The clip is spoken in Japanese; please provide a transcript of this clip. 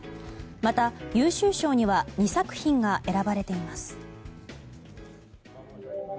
また優秀賞には２作品が選ばれています。